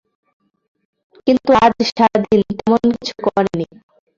কিন্তু আজ সারাদিন তেমন কিছু করে নি।